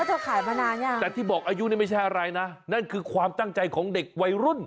เธอขายมานานยังแต่ที่บอกอายุนี่ไม่ใช่อะไรนะนั่นคือความตั้งใจของเด็กวัยรุ่น